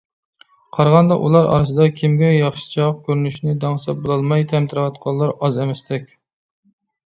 قارىغاندا، ئۇلار ئارىسىدا كىمگە ياخشىچاق كۆرۈنۈشنى دەڭسەپ بولالماي تەمتىرەۋاتقانلار ئاز ئەمەستەك.